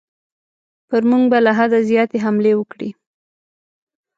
پر موږ به له حده زیاتې حملې وکړي.